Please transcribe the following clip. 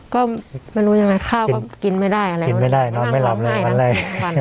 ก็ไม่รู้ยังไงข้าวก็กินไม่ได้อะไรกินไม่ได้นอนไม่หลับเลย